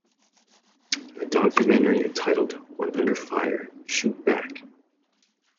A documentary entitled When Under Fire: Shoot Back!